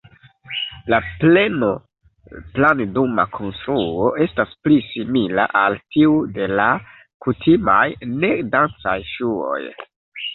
La pleno-planduma konstruo estas pli simila al tiu de la kutimaj, ne-dancaj ŝuoj.